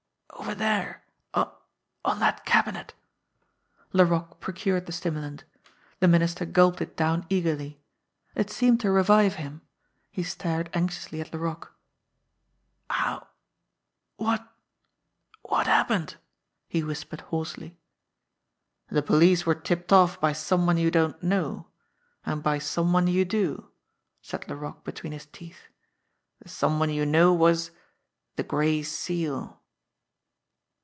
"Over there on on that cabinet." Laroque procured the stimulant. The Minister gulped it down eagerly. It seemed to revive him. He stared anxiously at Laroque. "How what what happened?" he whispered hoarsely. "The police were tipped off by some one you don't know, and by some one you do," said Laroque between his teeth. "The some one you know was the Gray Seal."